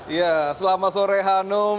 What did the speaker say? iya selamat sore hanum